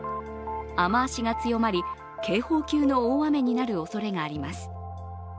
雨足が強まり警報級の大雨になるおそれがあります。